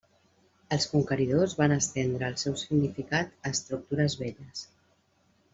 Els conqueridors van estendre el seu significat a estructures velles.